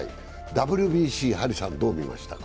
ＷＢＣ、張さんどう見ましたか？